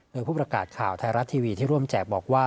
โดยผู้ประกาศข่าวไทยรัฐทีวีที่ร่วมแจกบอกว่า